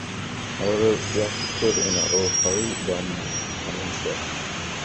However, she also stood in Ohariu-Belmont, coming fifth.